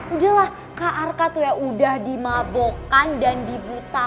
udah lah kak arka tuh ya udah dimabokan dan dibutak